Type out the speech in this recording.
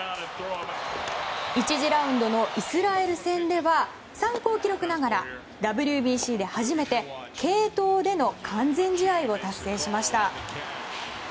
１次ラウンドのイスラエル戦では参考記録ながらＷＢＣで初めて継投での完全試合を達成しました。